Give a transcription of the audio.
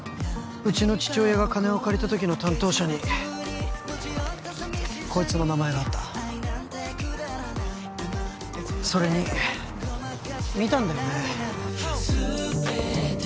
うちの父親が金を借りた時の担当者にこいつの名前があったそれに見たんだよね